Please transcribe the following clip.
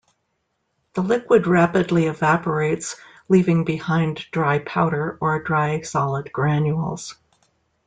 The liquid rapidly evaporates leaving behind dry powder or dry solid granules.